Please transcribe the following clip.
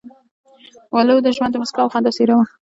ولو د ژوند د موسکا او خندا څېره وه.